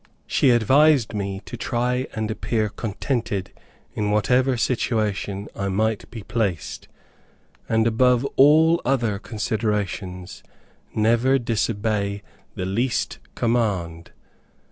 She advised me to try and appear contented in whatever situation I might be placed, and above all other considerations, never disobey the least command.